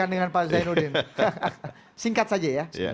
dengan pak zainuddin singkat saja ya